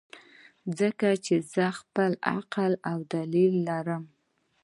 ځکه چې زۀ خپل عقل او دليل لرم -